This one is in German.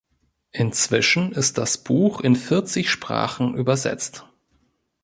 Inzwischen ist das Buch in vierzig Sprachen übersetzt.